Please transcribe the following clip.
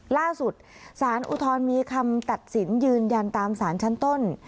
ล่าสุดสารอุทธรณ์มีคำตัดสินยืนยันตามสารชั้นต้น